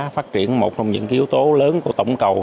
phát triển một trong những yếu tố lớn của tổng cầu